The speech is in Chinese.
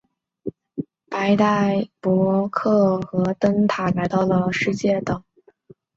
伊丽莎白带伯克来到了这个世界的上面和灯塔。